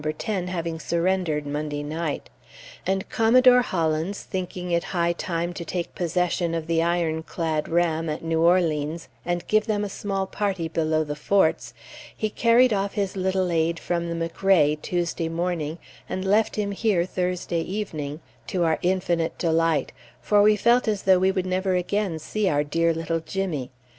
10 having surrendered Monday night; and Commodore Hollins thinking it high time to take possession of the ironclad ram at New Orleans, and give them a small party below the forts, he carried off his little aide from the McRae Tuesday morning, and left him here Thursday evening, to our infinite delight, for we felt as though we would never again see our dear little Jimmy.